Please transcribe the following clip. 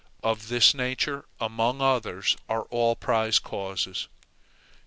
Of this nature, among others, are all prize causes.